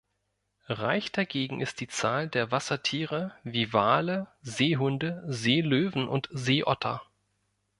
Reich dagegen ist die Zahl der Wassertiere, wie Wale, Seehunde, Seelöwen und Seeotter.